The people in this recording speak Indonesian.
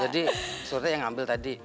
jadi surti yang ngambil tadi